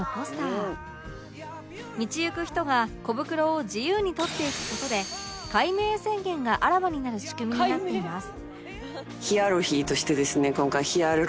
道行く人が小袋を自由に取っていく事で改名宣言があらわになる仕組みになっています